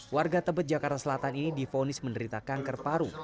warga tebet jakarta selatan ini difonis menderita kanker paru